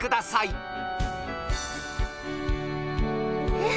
えっ！？